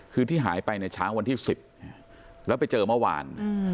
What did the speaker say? คือที่หายไปในเช้าวันที่๑๐แล้วไปเจอเมื่อวาน